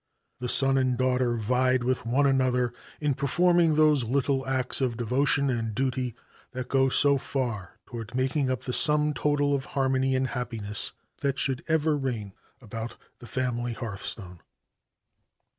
The son and daughter vied with one another in performing those little acts of devotion and duty that go so far toward making up the sum total of harmony and happiness that should ever reign about the family hearthstone.